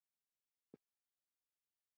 watakwenda kulala bila ya kua na huduma